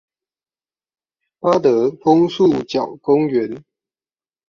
八德楓樹腳公園